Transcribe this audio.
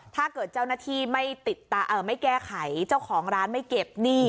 ถ้าเกิดเจ้าหน้าที่ไม่ติดไม่แก้ไขเจ้าของร้านไม่เก็บหนี้